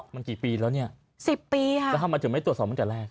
มันกี่ปีแล้วเนี่ย๑๐ปีค่ะแล้วทำไมถึงไม่ตรวจสอบตั้งแต่แรก